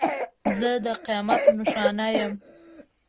زه د قیامت نښانه یم.